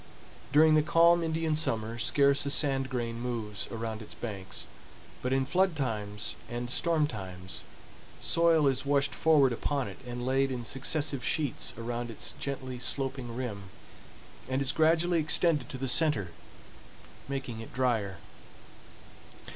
During the calm Indian summer, scarce a sand grain moves around its banks, but in flood times and storm times, soil is washed forward upon it and laid in successive sheets around its gently sloping rim, and is gradually extended to the center, making it dryer.